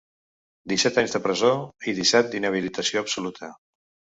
Disset anys de presó i disset d’inhabilitació absoluta.